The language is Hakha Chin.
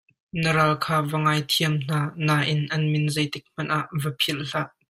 Na ral kha va ngaithiam hna, nain an min zeitik hmanh ah va philh hlah.